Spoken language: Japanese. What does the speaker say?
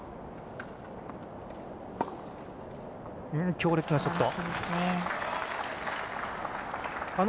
強烈なショット。